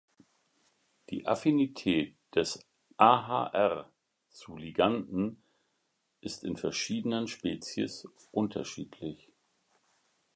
Die Affinität des AhR zu Liganden ist in verschiedenen Spezies unterschiedlich.